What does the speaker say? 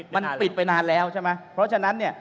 มันปิดไปนานแล้วใช่ไหมเพราะฉะนั้นเนี่ย